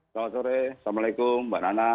selamat sore assalamualaikum mbak nana